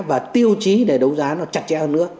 và tiêu chí để đấu giá nó chặt chẽ hơn nữa